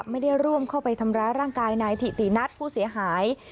ไม่ได้ร่วมเข้าไปทำร้ายร่างกายนายถิตินัทผู้เสียหาย